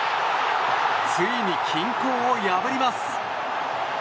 ついに均衡を破ります。